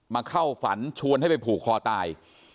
เข้าฝันชวนให้ไปผูกคอตาย